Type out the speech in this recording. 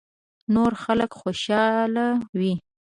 نور خلک خوشاله وي .